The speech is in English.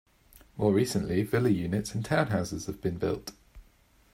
More recently villa units and townhouses have been built.